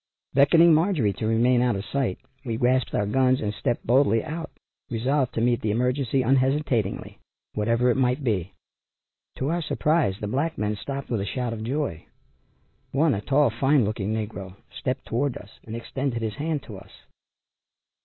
Beckoning Marjorie to remain out of sight we grasped our guns and stepped boldly out, resolved to meet the emergency unhesitatingly, whatever it might be. To our surprise the black men stopped with a shout of joy. One a tall, fine looking negro, stepped toward us and extended his hand to us.